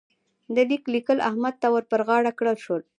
د ليک لیکل احمد ته ور پر غاړه کړل شول.